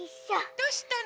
どうしたの？